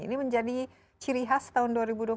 ini menjadi ciri khas tahun dua ribu dua puluh